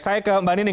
saya ke mbak nining